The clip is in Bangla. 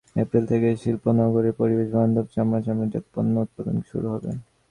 এপ্রিল থেকেই শিল্পনগরে পরিবেশবান্ধব চামড়া ও চামড়াজাত পণ্য উৎপাদন শুরু হবে।